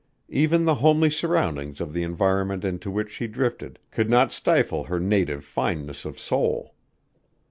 Even the homely surroundings of the environment into which she drifted could not stifle her native fineness of soul.